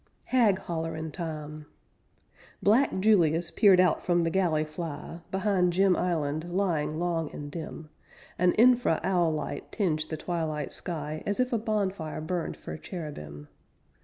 HAG HOLLERIN' TIME Black Julius peered out from the galley fly; Behind Jim Island, lying long and dim; An infra owl light tinged the twilight sky As if a bonfire burned for cherubim.